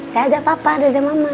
dadah papa dadah mama